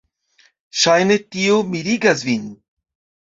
Ŝajne tio mirigas vin.